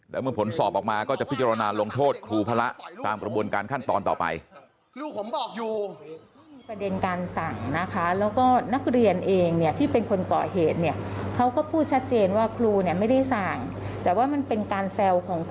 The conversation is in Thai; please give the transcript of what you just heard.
แล้วเมื่อผลสอบออกมาก็จะพิจารณาลงโทษครูพระ